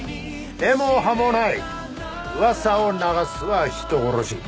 「根も葉もない噂を流すは人殺し」